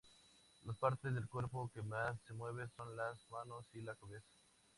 Las partes del cuerpo que más se mueven son las manos y la cabeza.